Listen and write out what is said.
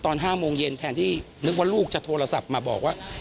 ตอน๕โมงเย็นแทนที่นึกว่าลูกจะโทรศัพท์มาบอกว่า